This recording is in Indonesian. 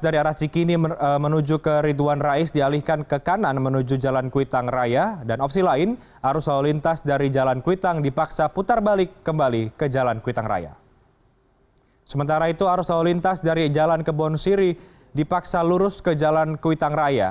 sementara itu arus lalu lintas dari jalan kebon siri dipaksa lurus ke jalan kuitang raya